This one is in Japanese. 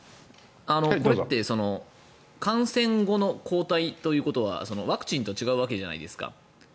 これって感染後の抗体ということはワクチンと違うわけじゃないですか。